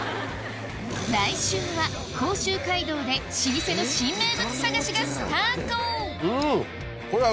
来週は甲州街道で老舗の新名物探しがスタート！